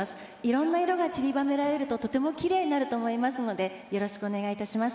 「色んな色がちりばめられるととてもきれいになると思いますのでよろしくお願い致します。